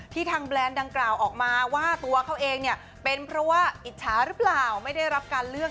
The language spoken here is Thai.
ทางแบรนด์ดังกล่าวออกมาว่าตัวเขาเองเนี่ยเป็นเพราะว่าอิจฉาหรือเปล่าไม่ได้รับการเลือก